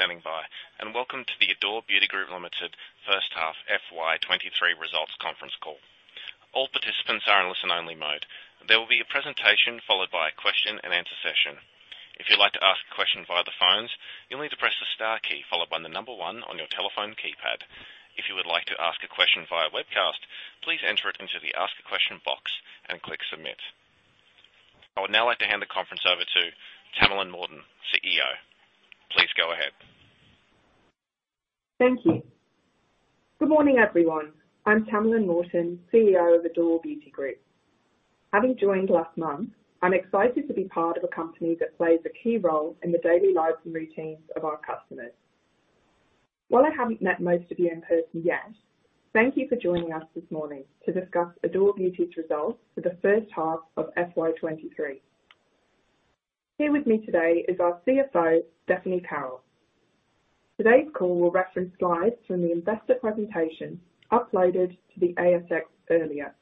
Thank you for standing by. Welcome to the Adore Beauty Group Limited first half FY23 results conference call. All participants are in listen only mode. There will be a presentation followed by a question and answer session. If you'd like to ask a question via the phones, you'll need to press the star key followed by 1 on your telephone keypad. If you would like to ask a question via webcast, please enter it into the ask a question box and click Submit. I would now like to hand the conference over to Tamalin Morton, CEO. Please go ahead. Thank you. Good morning, everyone. I'm Tamalin Morton, CEO of Adore Beauty Group. Having joined last month, I'm excited to be part of a company that plays a key role in the daily lives and routines of our customers. While I haven't met most of you in person yet, thank you for joining us this morning to discuss Adore Beauty's results for the first half of FY23. Here with me today is our CFO, Stephanie Carroll. Today's call will reference slides from the investor presentation uploaded to the ASX earlier.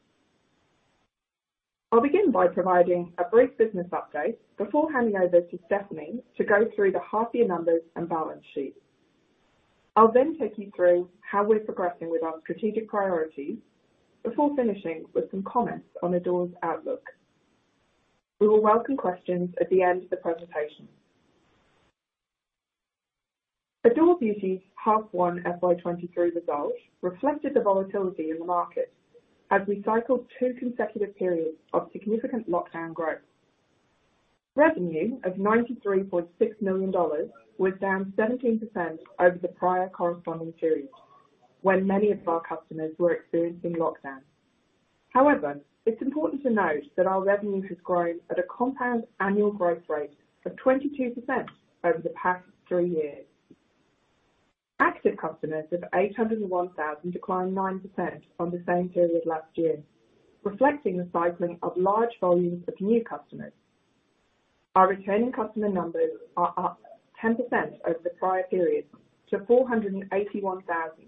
I'll begin by providing a brief business update before handing over to Stephanie to go through the half year numbers and balance sheets. I'll then take you through how we're progressing with our strategic priorities before finishing with some comments on Adore's outlook. We will welcome questions at the end of the presentation. Adore Beauty's half one FY23 results reflected the volatility in the market as we cycled two consecutive periods of significant lockdown growth. Revenue of 93.6 million dollars was down 17% over the prior corresponding period when many of our customers were experiencing lockdown. It's important to note that our revenue has grown at a CAGR of 22% over the past 3 years. Active customers of 801,000 declined 9% from the same period last year, reflecting the cycling of large volumes of new customers. Our returning customer numbers are up 10% over the prior period to 481,000,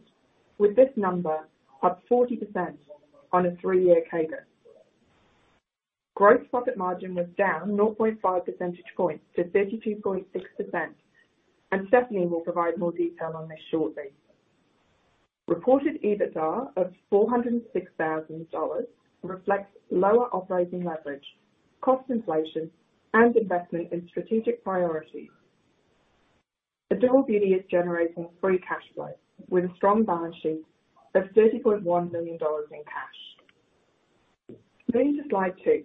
with this number up 40% on a 3-year CAGR. Gross profit margin was down 0.5 percentage points to 32.6%. Stephanie will provide more detail on this shortly. Reported EBITDA of 406,000 dollars reflects lower operating leverage, cost inflation and investment in strategic priorities. Adore Beauty is generating free cash flow with a strong balance sheet of 30.1 million dollars in cash. Moving to slide two.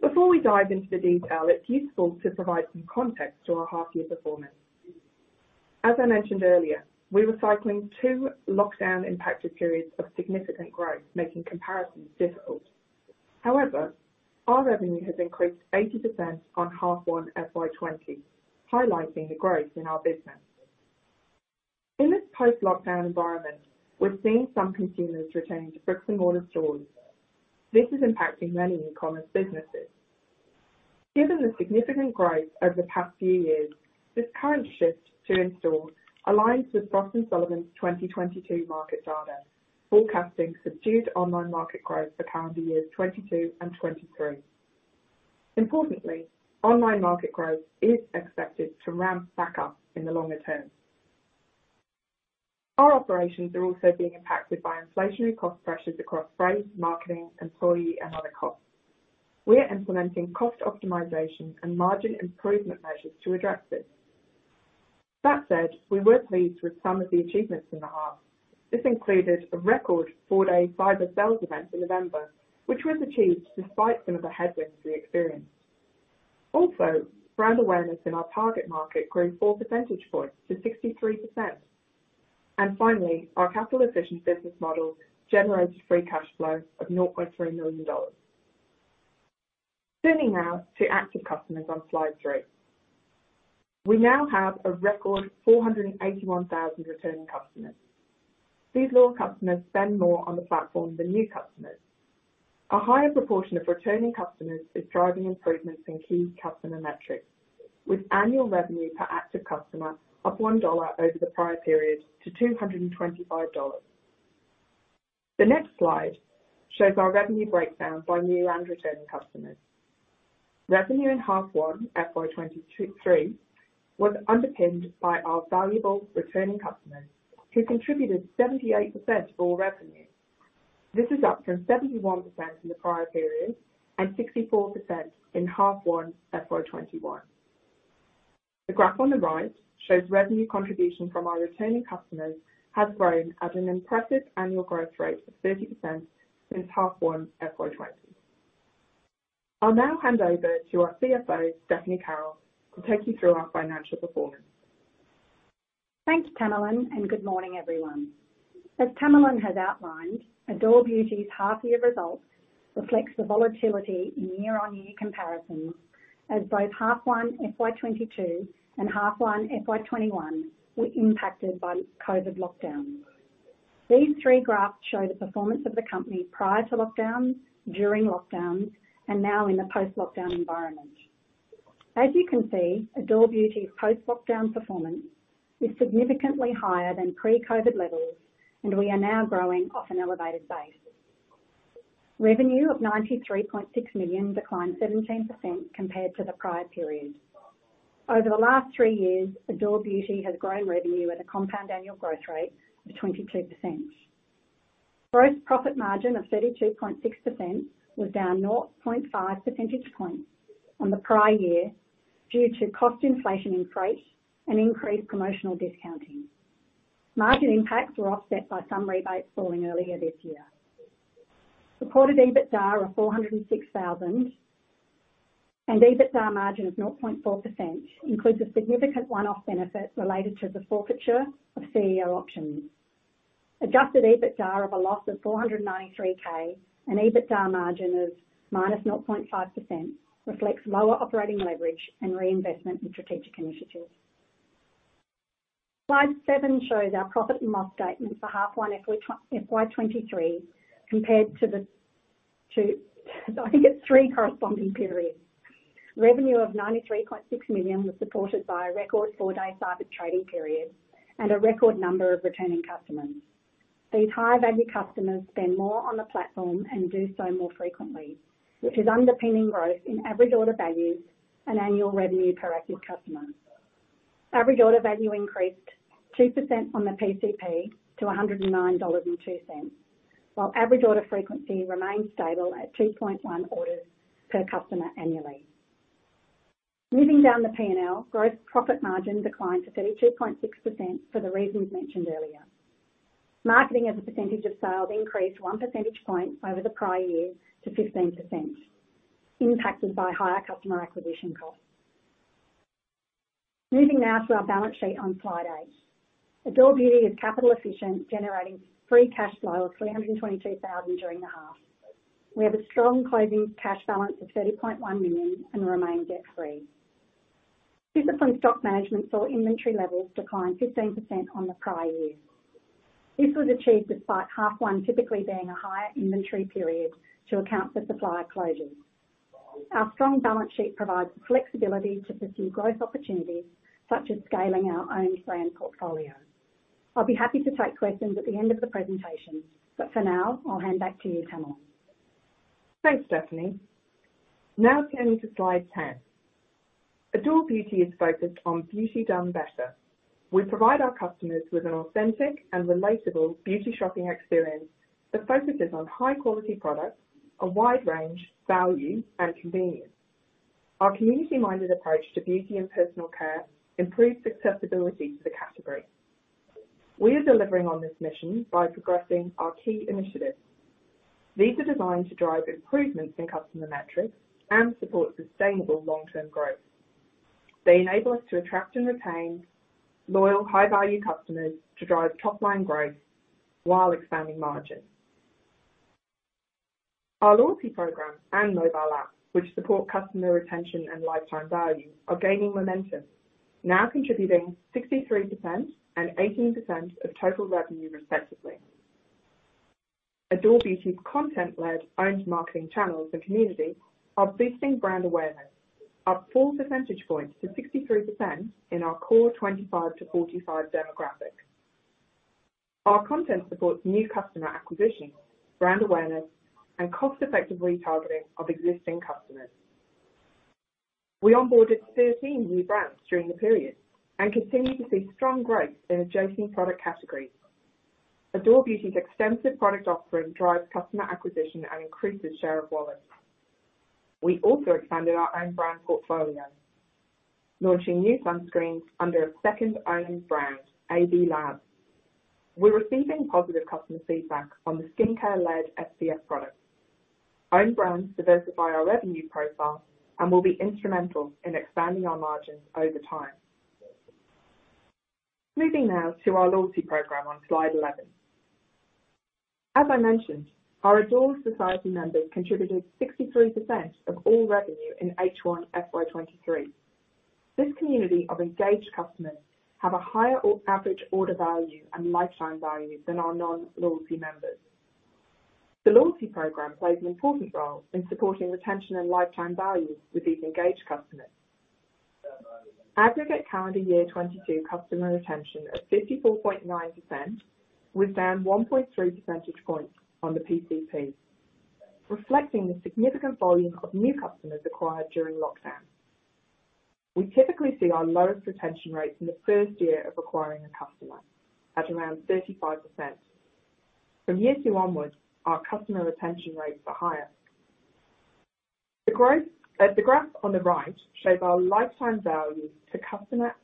Before we dive into the detail, it's useful to provide some context to our half year performance. As I mentioned earlier, we were cycling two lockdown impacted periods of significant growth, making comparisons difficult. Our revenue has increased 80% on half one FY2020, highlighting the growth in our business. In this post-lockdown environment, we're seeing some consumers returning to bricks and mortar stores. This is impacting many e-commerce businesses. Given the significant growth over the past few years, this current shift to in-store aligns with Frost & Sullivan's 2022 market data forecasting subdued online market growth for calendar years 2022 and 2023. Importantly, online market growth is expected to ramp back up in the longer term. Our operations are also being impacted by inflationary cost pressures across freight, marketing, employee and other costs. We are implementing cost optimization and margin improvement measures to address this. That said, we were pleased with some of the achievements in the half. This included a record four-day cyber sales event in November, which was achieved despite some of the headwinds we experienced. Also, brand awareness in our target market grew four percentage points to 63%. Finally, our capital efficient business model generated free cash flow of 0.3 million dollars. Turning now to active customers on slide 3. We now have a record 481,000 returning customers. These loyal customers spend more on the platform than new customers. A higher proportion of returning customers is driving improvements in key customer metrics, with annual revenue per active customer up 1 dollar over the prior period to 225 dollars. The next slide shows our revenue breakdown by new and returning customers. Revenue in half 1 FY23 was underpinned by our valuable returning customers, who contributed 78% to all revenue. This is up from 71% in the prior period and 64% in half 1 FY21. The graph on the right shows revenue contribution from our returning customers has grown at an impressive annual growth rate of 30% since half 1 FY20. I'll now hand over to our CFO, Stephanie Carroll, who will take you through our financial performance. Thanks, Tamalin. Good morning, everyone. As Tamalin has outlined, Adore Beauty's half year results reflects the volatility in year-on-year comparisons as both half one FY22 and half one FY21 were impacted by COVID lockdowns. These three graphs show the performance of the company prior to lockdowns, during lockdowns, and now in the post-lockdown environment. As you can see, Adore Beauty's post-lockdown performance is significantly higher than pre-COVID levels and we are now growing off an elevated base. Revenue of 93.6 million declined 17% compared to the prior period. Over the last three years, Adore Beauty has grown revenue at a compound annual growth rate of 22%. Gross profit margin of 32.6% was down 0.5 percentage points on the prior year due to cost inflation increase and increased promotional discounting. Margin impacts were offset by some rebates falling earlier this year. Reported EBITDA of 406,000 and EBITDA margin of 0.4% includes a significant one-off benefit related to the forfeiture of CEO options. Adjusted EBITDA of a loss of 493K and EBITDA margin of -0.5% reflects lower operating leverage and reinvestment in strategic initiatives. Slide 7 shows our profit and loss statement for half one FY23 compared to the three corresponding periods. Revenue of 93.6 million was supported by a record four-day Cyber trading period and a record number of returning customers. These high-value customers spend more on the platform and do so more frequently, which is underpinning growth in average order values and annual revenue per active customer. Average order value increased 2% from the PCP to 109.02 dollars, while average order frequency remained stable at 2.1 orders per customer annually. Moving down the P&L, gross profit margin declined to 32.6% for the reasons mentioned earlier. Marketing as a percentage of sales increased 1 percentage point over the prior year to 15%, impacted by higher customer acquisition costs. Moving now to our balance sheet on slide 8. Adore Beauty is capital efficient, generating free cash flow of 322,000 during the half. We have a strong closing cash balance of 30.1 million and remain debt-free. Disciplined stock management saw inventory levels decline 15% on the prior year. This was achieved despite half one typically being a higher inventory period to account for supplier closures. Our strong balance sheet provides flexibility to pursue growth opportunities such as scaling our own brand portfolio. I'll be happy to take questions at the end of the presentation. For now, I'll hand back to you, Tamalin. Thanks, Stephanie. Now turning to slide 10. Adore Beauty is focused on beauty done better. We provide our customers with an authentic and relatable beauty shopping experience that focuses on high quality products, a wide range, value, and convenience. Our community-minded approach to beauty and personal care improves accessibility to the category. We are delivering on this mission by progressing our key initiatives. These are designed to drive improvements in customer metrics and support sustainable long-term growth. They enable us to attract and retain loyal, high-value customers to drive top-line growth while expanding margins. Our loyalty program and mobile app, which support customer retention and lifetime value, are gaining momentum, now contributing 63% and 18% of total revenue respectively. Adore Beauty's content-led owned marketing channels and community are boosting brand awareness, up 4 percentage points to 63% in our core 25-45 demographic. Our content supports new customer acquisition, brand awareness, and cost-effective retargeting of existing customers. We onboarded 13 new brands during the period and continue to see strong growth in adjacent product categories. Adore Beauty's extensive product offering drives customer acquisition and increases share of wallet. We also expanded our own brand portfolio, launching new sunscreens under a second owned brand, AB LAB. We're receiving positive customer feedback on the skincare lead SPF products. Owned brands diversify our revenue profile and will be instrumental in expanding our margins over time. Moving now to our loyalty program on slide 11. As I mentioned, our Adore Society members contributed 63% of all revenue in H1 FY23. This community of engaged customers have a higher or average order value and lifetime value than our non-loyalty members. The loyalty program plays an important role in supporting retention and lifetime value with these engaged customers. Aggregate calendar year 2022 customer retention of 54.9% was down 1.3 percentage points on the PCP, reflecting the significant volume of new customers acquired during lockdown. We typically see our lowest retention rates in the first year of acquiring a customer at around 35%. From year 2 onwards, our customer retention rates are higher. The graph on the right shows our lifetime value to customer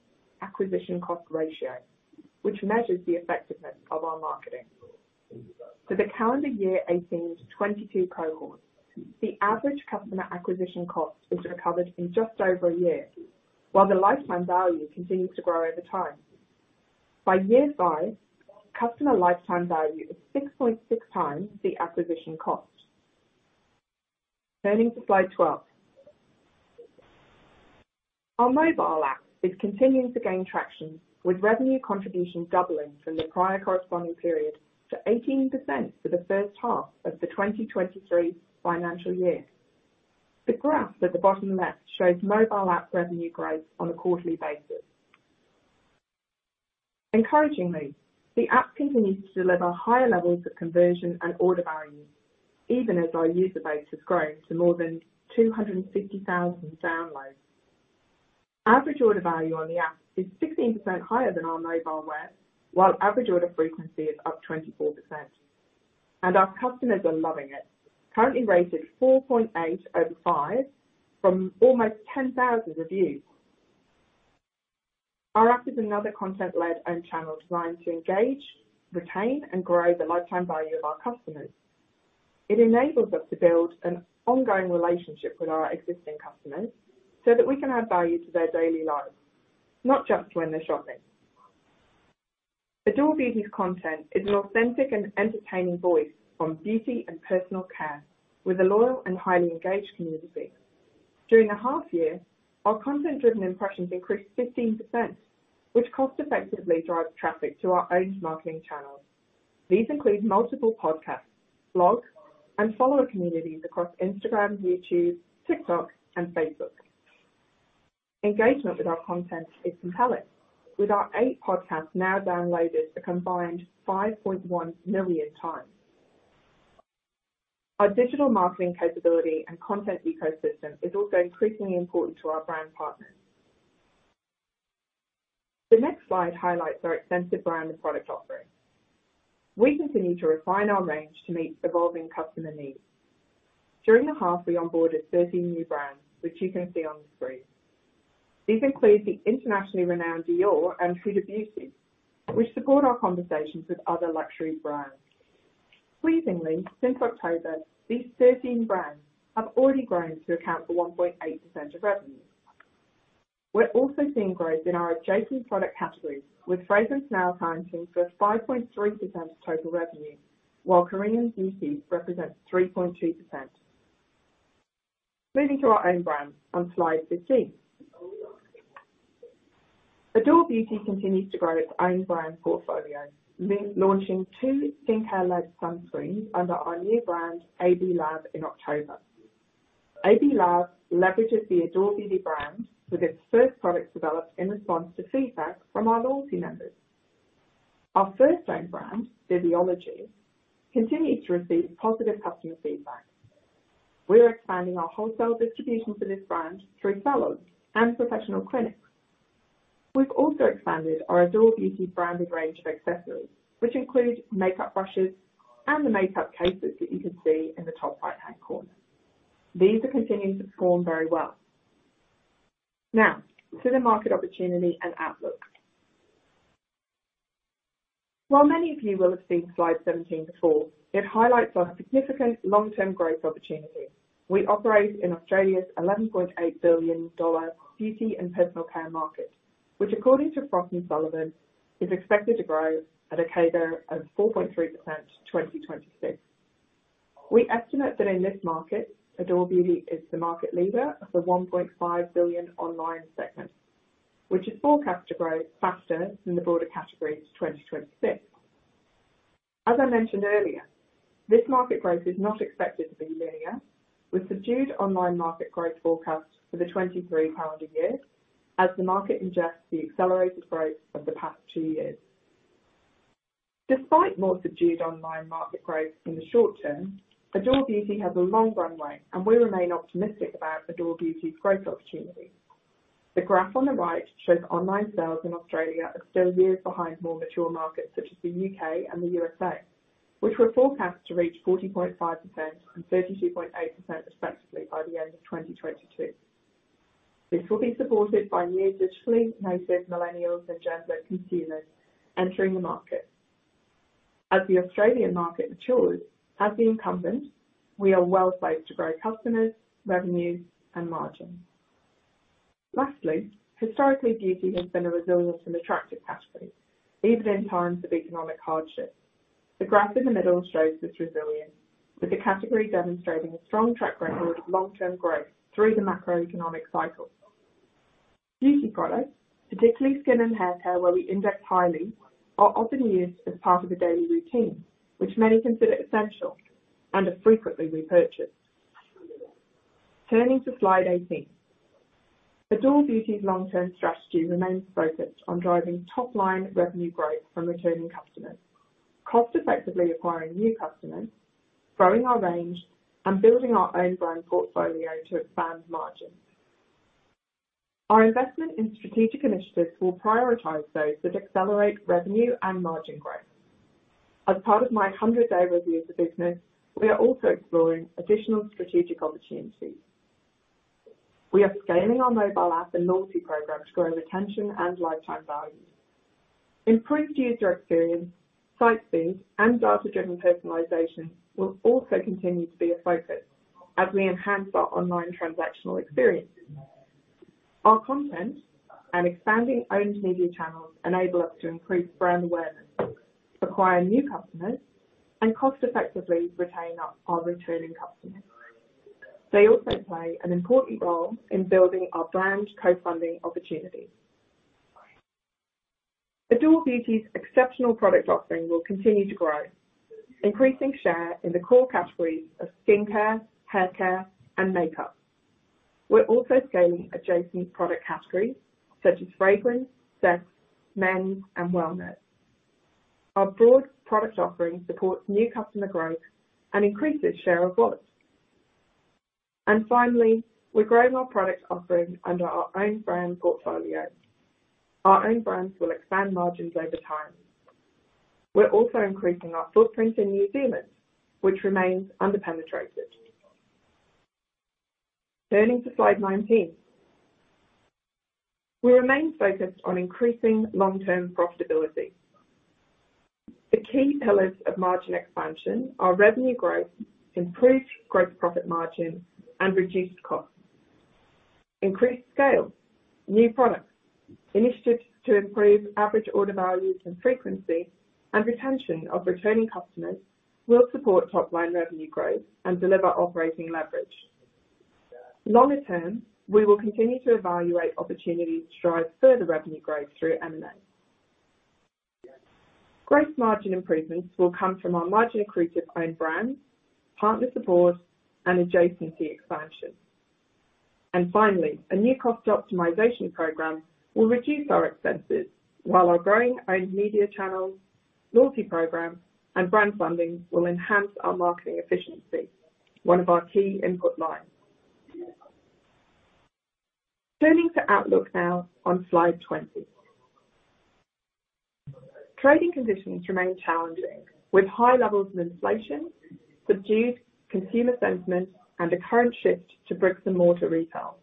acquisition cost ratio, which measures the effectiveness of our marketing. For the calendar year 2018-2022 cohorts, the average customer acquisition cost is recovered in just over a year, while the lifetime value continues to grow over time. By year 5, customer lifetime value is 6.6x the acquisition cost. Turning to slide 12. Our mobile app is continuing to gain traction, with revenue contribution doubling from the prior corresponding period to 18% for the first half of FY23. The graph at the bottom left shows mobile app revenue growth on a quarterly basis. Encouragingly, the app continues to deliver higher levels of conversion and order value even as our user base has grown to more than 250,000 downloads. Average order value on the app is 16% higher than our mobile web, while average order frequency is up 24%, and our customers are loving it. Currently rated 4.8 over 5 from almost 10,000 reviews. Our app is another content-led owned channel designed to engage, retain, and grow the lifetime value of our customers. It enables us to build an ongoing relationship with our existing customers so that we can add value to their daily lives, not just when they're shopping. Adore Beauty's content is an authentic and entertaining voice on beauty and personal care with a loyal and highly engaged community. During the half year, our content-driven impressions increased 15%, which cost effectively drives traffic to our owned marketing channels. These include multiple podcasts, blogs, and follower communities across Instagram, YouTube, TikTok, and Facebook. Engagement with our content is compelling, with our eight podcasts now downloaded a combined 5.1 million times. Our digital marketing capability and content ecosystem is also increasingly important to our brand partners. The next slide highlights our extensive brand and product offering. We continue to refine our range to meet evolving customer needs. During the half, we onboarded 13 new brands, which you can see on the screen. These include the internationally renowned Dior and Huda Beauty, which support our conversations with other luxury brands. Pleasingly, since October, these 13 brands have already grown to account for 1.8% of revenue. We're also seeing growth in our adjacent product categories, with fragrance now accounting for 5.3% of total revenue, while K-beauty represents 3.2%. Moving to our own brands on slide 15. Adore Beauty continues to grow its own brand portfolio, launching two skincare led sunscreens under our new brand, AB LAB, in October. AB LAB leverages the Adore Beauty brand with its first product developed in response to feedback from our loyalty members. Our first own brand, Viviology, continues to receive positive customer feedback. We are expanding our wholesale distribution for this brand through salons and professional clinics. We've also expanded our Adore Beauty branded range of accessories, which include makeup brushes and the makeup cases that you can see in the top right-hand corner. These are continuing to perform very well. Now to the market opportunity and outlook. While many of you will have seen slide 17 before, it highlights our significant long-term growth opportunity. We operate in Australia's AUD 11.8 billion beauty and personal care market, which according to Frost & Sullivan is expected to grow at a CAGR of 4.3% to 2026. We estimate that in this market, Adore Beauty is the market leader of the 1.5 billion online segment, which is forecast to grow faster than the broader category to 2026. As I mentioned earlier, this market growth is not expected to be linear, with subdued online market growth forecast for the 2023 calendar year as the market ingests the accelerated growth of the past two years. Despite more subdued online market growth in the short term, Adore Beauty has a long runway, and we remain optimistic about Adore Beauty's growth opportunity. The graph on the right shows online sales in Australia are still years behind more mature markets such as the U.K. and the USA, which were forecast to reach 40.5% and 32.8% respectively by the end of 2022. This will be supported by new digitally native millennials and Gen Z consumers entering the market. As the Australian market matures, as the incumbent, we are well placed to grow customers, revenue and margin. Lastly, historically, beauty has been a resilient and attractive category even in times of economic hardship. The graph in the middle shows this resilience, with the category demonstrating a strong track record of long-term growth through the macroeconomic cycle. Beauty products, particularly skin and hair care, where we index highly, are often used as part of a daily routine, which many consider essential and are frequently repurchased. Turning to slide 18. Adore Beauty's long-term strategy remains focused on driving top-line revenue growth from returning customers, cost effectively acquiring new customers, growing our range, and building our own brand portfolio to expand margins. Our investment in strategic initiatives will prioritize those that accelerate revenue and margin growth. As part of my hundred-day review of the business, we are also exploring additional strategic opportunities. We are scaling our mobile app and loyalty program to grow retention and lifetime value. Improved user experience, site speed, and data-driven personalization will also continue to be a focus as we enhance our online transactional experience. Our content and expanding owned media channels enable us to increase brand awareness, acquire new customers, and cost effectively retain our returning customers. They also play an important role in building our brand co-funding opportunities. Adore Beauty's exceptional product offering will continue to grow, increasing share in the core categories of skincare, hair care, and makeup. We're also scaling adjacent product categories such as fragrance, sex, men, and wellness. Our broad product offering supports new customer growth and increases share of wallet. Finally, we're growing our product offering under our own brand portfolio. Our own brands will expand margins over time. We're also increasing our footprint in New Zealand, which remains under-penetrated. Turning to slide 19. We remain focused on increasing long-term profitability. The key pillars of margin expansion are revenue growth, improved gross profit margin, and reduced costs. Increased scale, new products, initiatives to improve average order values and frequency, and retention of returning customers will support top line revenue growth and deliver operating leverage. Longer term, we will continue to evaluate opportunities to drive further revenue growth through M&A. Gross margin improvements will come from our margin-accretive own brands, partner support, and adjacency expansion. Finally, a new cost optimization program will reduce our expenses while our growing owned media channels, loyalty program, and brand funding will enhance our marketing efficiency, one of our key input lines. Turning to outlook now on slide 20. Trading conditions remain challenging with high levels of inflation, subdued consumer sentiment, and a current shift to bricks and mortar retail.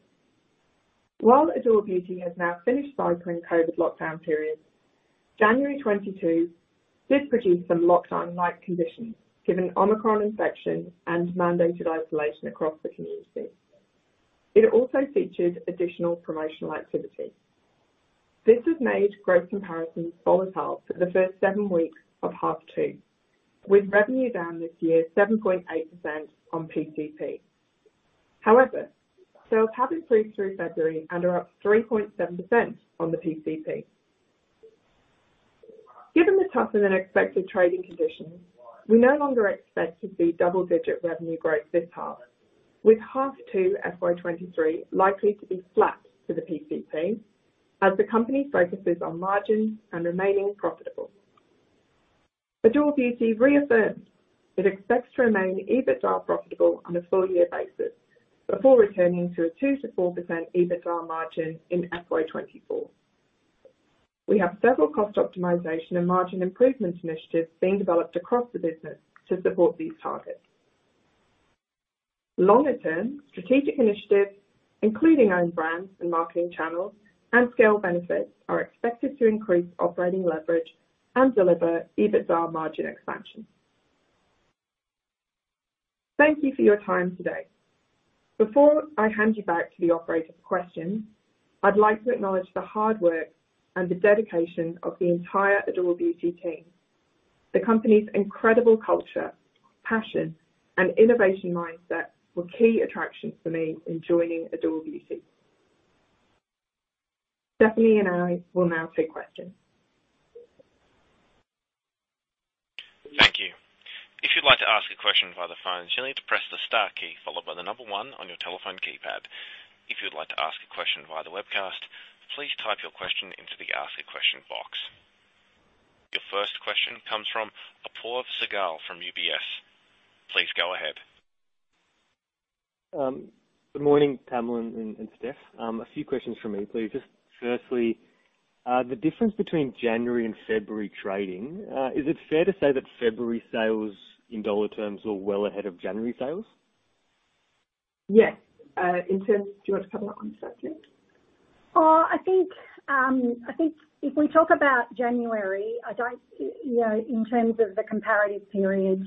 While Adore Beauty has now finished cycling COVID lockdown periods, January 2022 did produce some lockdown-like conditions given Omicron infection and mandated isolation across the community. It also featured additional promotional activity. This has made growth comparisons volatile for the first seven weeks of Half 2, with revenue down this year 7.8% on PCP. However, sales have improved through February and are up 3.7% on the PCP. Given the tougher than expected trading conditions, we no longer expect to see double-digit revenue growth this half, with Half 2 FY23 likely to be flat for the PCP as the company focuses on margin and remaining profitable. Adore Beauty reaffirms it expects to remain EBITDA profitable on a full year basis before returning to a 2%-4% EBITDA margin in FY24. We have several cost optimization and margin improvement initiatives being developed across the business to support these targets. Longer term strategic initiatives, including own brands and marketing channels and scale benefits, are expected to increase operating leverage and deliver EBITDA margin expansion. Thank you for your time today. Before I hand you back to the operator for questions, I'd like to acknowledge the hard work and the dedication of the entire Adore Beauty team. The company's incredible culture, passion, and innovation mindset were key attractions for me in joining Adore Beauty. Stephanie and I will now take questions. Thank you. If you'd like to ask a question via the phone, you'll need to press the star key followed by the number one on your telephone keypad. If you'd like to ask a question via the webcast, please type your question into the ask a question box. Your first question comes from Apoorv Sehgal from UBS. Please go ahead. Good morning, Pamela and Steph. A few questions from me, please. Just firstly, the difference between January and February trading, is it fair to say that February sales in dollar terms were well ahead of January sales? Yes. In terms... Do you want to cover that one, Steph, please? I think, I think if we talk about January, I don't, you know, in terms of the comparative period,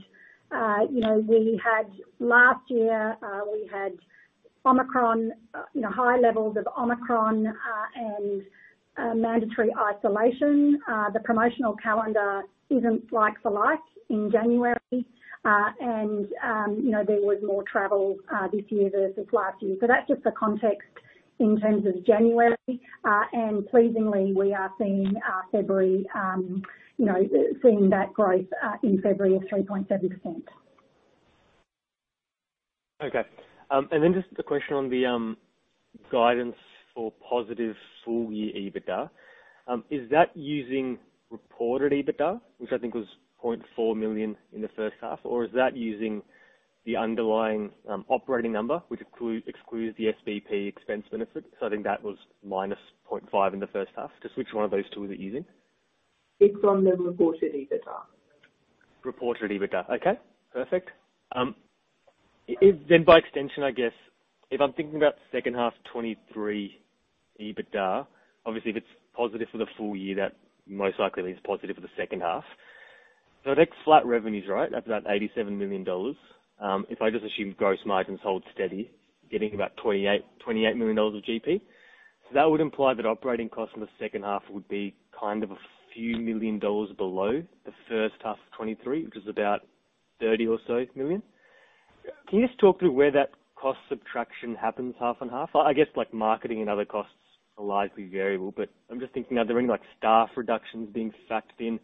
you know, we had last year, we had Omicron, you know, high levels of Omicron, and mandatory isolation. The promotional calendar isn't like for like in January. You know, there was more travel this year versus last year. That's just the context in terms of January. Pleasingly, we are seeing February, you know, seeing that growth in February of 3.7%. Okay. Just a question on the guidance for positive full year EBITDA, is that using reported EBITDA, which I think was 0.4 million in the first half? Is that using the underlying operating number, which excludes the SBP expense benefit? I think that was minus 0.5 in the first half. Just which one of those two are we using? It's on the reported EBITDA. Reported EBITDA. Okay, perfect. By extension, I guess if I'm thinking about second half 2023 EBITDA, obviously if it's positive for the full year, that most likely is positive for the second half. I'd expect flat revenues, right? That's about 87 million dollars. If I just assume gross margins hold steady, getting about 28 million dollars of GP. That would imply that operating costs in the second half would be kind of a few million dollars below the first half of 2023, which was about 30 million or so. Yeah. Can you just talk through where that cost subtraction happens half and half? I guess like marketing and other costs a likely variable, but I'm just thinking, are there any, like, staff reductions being factored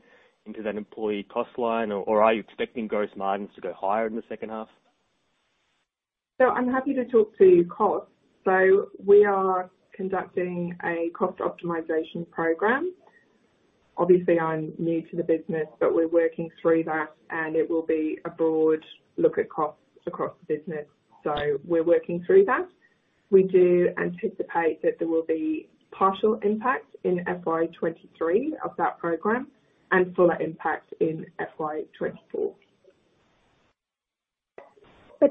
into that employee cost line? Or are you expecting gross margins to go higher in the second half? I'm happy to talk to costs. We are conducting a cost optimization program. Obviously, I'm new to the business, but we're working through that, and it will be a broad look at costs across the business. We're working through that. We do anticipate that there will be partial impact in FY23 of that program and fuller impact in FY24.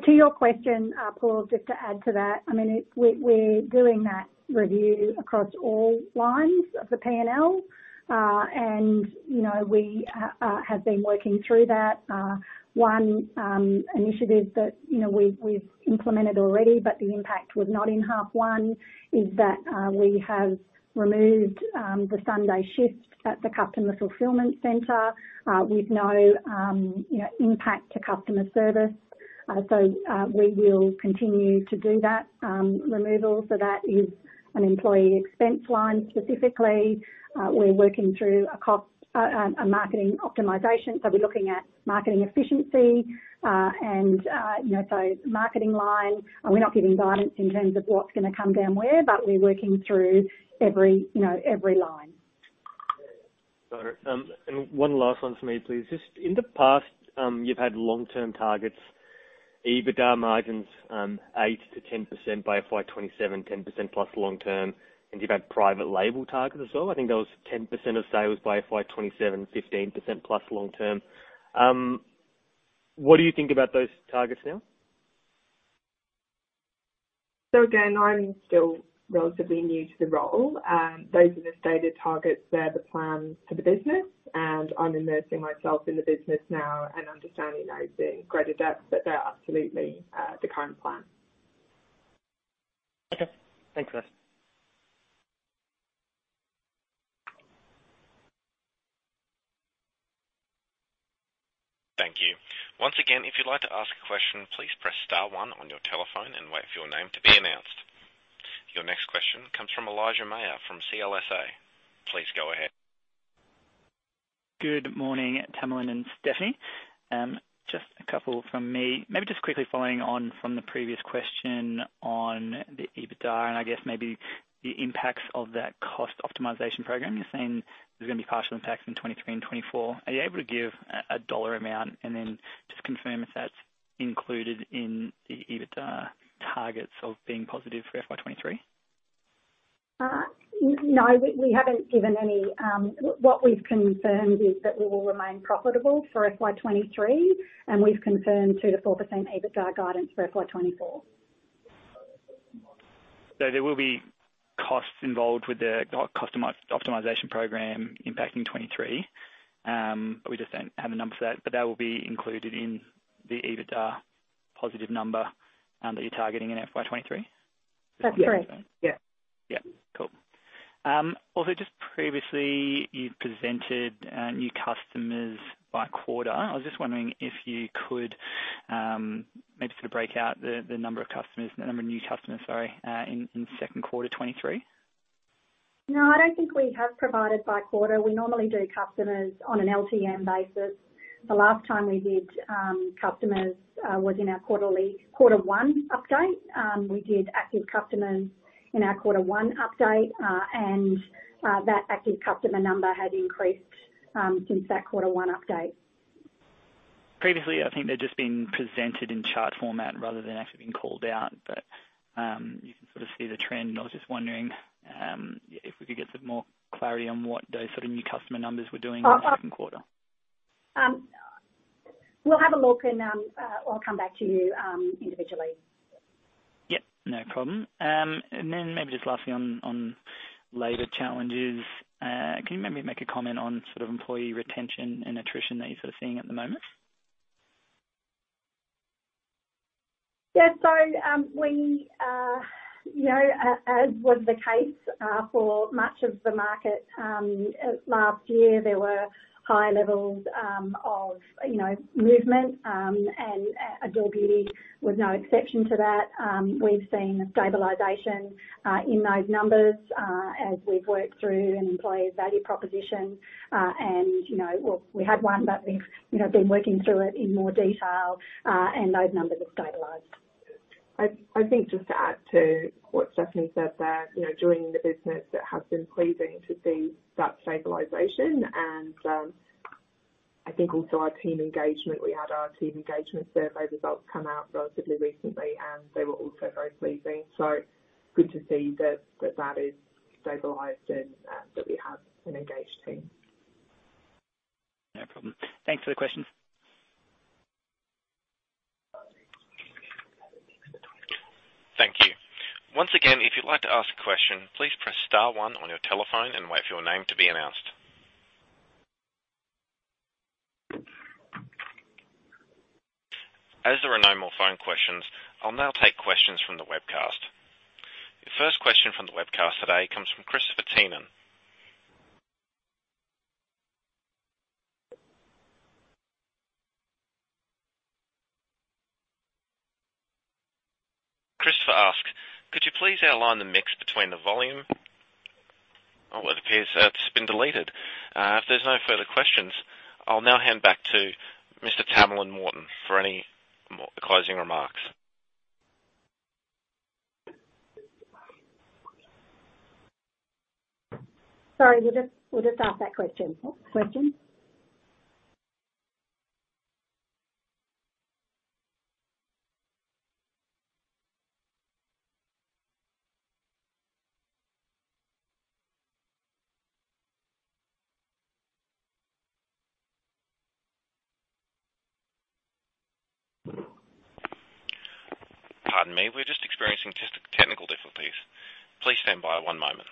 To your question, Apoorv, just to add to that, I mean, we're doing that review across all lines of the P&L. You know, we have been working through that. One initiative that, you know, we've implemented already, but the impact was not in half one, is that we have removed the Sunday shifts at the customer fulfillment center with no, you know, impact to customer service. We will continue to do that removal. So that is an employee expense line specifically. We're working through a marketing optimization, so we're looking at marketing efficiency, and, you know, so marketing line. We're not giving guidance in terms of what's gonna come down where, but we're working through every, you know, every line. Got it. One last one from me, please. Just in the past, you've had long-term targets, EBITDA margins, 8%-10% by FY27, 10%+ long-term. You've had private label targets as well. I think that was 10% of sales by FY27, 15%+ long-term. What do you think about those targets now? Again, I'm still relatively new to the role. Those are the stated targets. They're the plans for the business, and I'm immersing myself in the business now and understanding those in greater depth, but they're absolutely the current plan. Okay. Thanks for that. Thank you. Once again, if you'd like to ask a question, please press star one on your telephone and wait for your name to be announced. Your next question comes from Elijah Mayr from CLSA. Please go ahead. Good morning, Tamalin and Stephanie. Just a couple from me. Maybe just quickly following on from the previous question on the EBITDA and I guess maybe the impacts of that cost optimization program. You're saying there's gonna be partial impacts in 23 and 24. Are you able to give a dollar amount? Then just confirm if that's included in the EBITDA targets of being positive for FY23. No, we haven't given any. What we've confirmed is that we will remain profitable for FY23, and we've confirmed 2%-4% EBITDA guidance for FY24. There will be costs involved with the cost optimization program impacting 23. We just don't have the numbers for that, but that will be included in the EBITDA positive number, that you're targeting in FY23? That's correct. Yeah. Yeah. Cool. Just previously you've presented new customers by quarter. I was just wondering if you could maybe sort of break out the number of customers, the number of new customers, sorry, in second quarter 2023? No, I don't think we have provided by quarter. We normally do customers on an LTM basis. The last time we did customers was in our quarterly quarter one update. We did active customers in our quarter one update, and that active customer number has increased since that quarter one update. Previously, I think they've just been presented in chart format rather than actually being called out. You can sort of see the trend. I was just wondering if we could get some more clarity on what those sort of new customer numbers were doing in the second quarter. We'll have a look and, I'll come back to you, individually. Yep, no problem. Maybe just lastly on labor challenges, can you maybe make a comment on sort of employee retention and attrition that you're sort of seeing at the moment? Yeah, we, you know, as was the case for much of the market last year, there were high levels of, you know, movement, and Adore Beauty was no exception to that. We've seen a stabilization in those numbers as we've worked through an employee value proposition. You know, well, we had one, but we've, you know, been working through it in more detail, and those numbers have stabilized. I think just to add to what Stephanie said there, you know, joining the business, it has been pleasing to see that stabilization. I think also our team engagement, we had our team engagement survey results come out relatively recently. They were also very pleasing. Good to see that that is stabilized and that we have an engaged team. No problem. Thanks for the question. Thank you. Once again, if you'd like to ask a question, please press star one on your telephone and wait for your name to be announced. As there are no more phone questions, I'll now take questions from the webcast. The first question from the webcast today comes from Christopher Tynan. Christopher asks, "Could you please outline the mix between the volume..." Oh, it appears that's been deleted. If there's no further questions, I'll now hand back to Ms. Tamalin Morton for any closing remarks. Sorry, we just asked that question. Question? Pardon me. We're just experiencing technical difficulties. Please stand by one moment.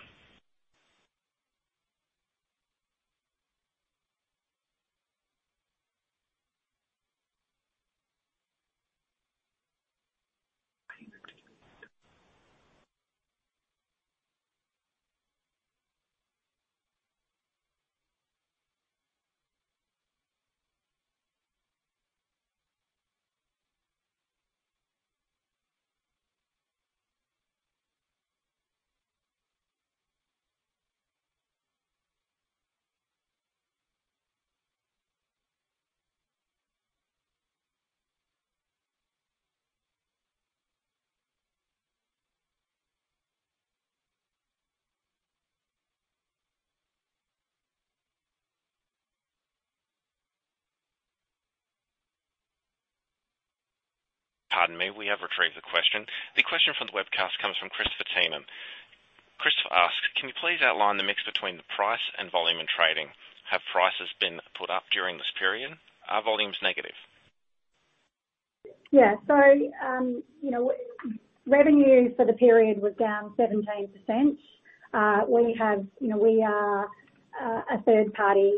Pardon me. We have retrieved the question. The question from the webcast comes from Christopher Tynan. Christopher asks, "Can you please outline the mix between the price and volume in trading? Have prices been put up during this period? Are volumes negative? you know, revenue for the period was down 17%. We have, you know, we are, a third party,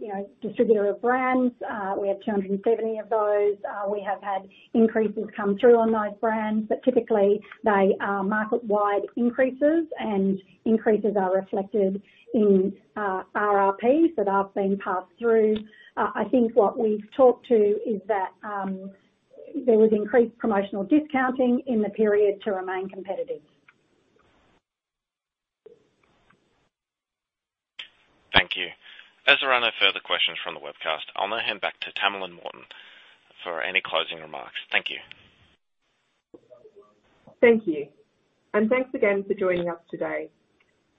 you know, distributor of brands. We have 270 of those. We have had increases come through on those brands, but typically they are market-wide increases, and increases are reflected in RRPs that are being passed through. I think what we've talked to is that there was increased promotional discounting in the period to remain competitive. Thank you. As there are no further questions from the webcast, I'll now hand back to Tamalin Morton for any closing remarks. Thank you. Thank you. Thanks again for joining us today.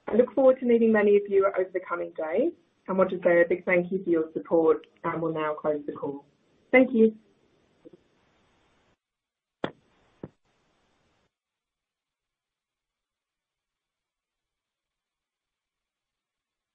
I look forward to meeting many of you over the coming days and want to say a big thank you for your support. We'll now close the call. Thank you.